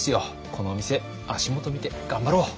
このお店足元見て頑張ろう。